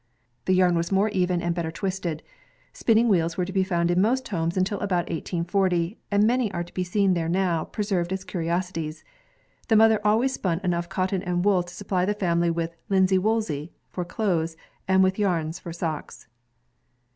The yam was more ev^i, and better twisted. Spinning wheels were to be found in most homes until about 1840, and many are to be seen there now, preserved as curio^ties. The mother always spun enough cot ton and wool to supply the family with "linsey woolsey" for clothes, and with vams for socks.